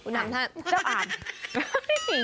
เจ้าอาม